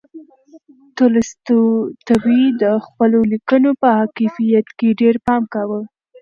تولستوی د خپلو لیکنو په کیفیت کې ډېر پام کاوه.